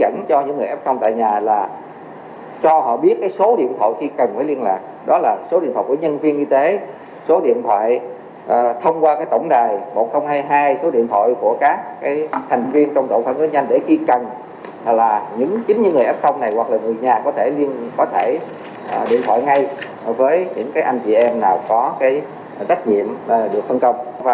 người nhà có thể điện thoại ngay với những anh chị em nào có tách nhiệm được phân công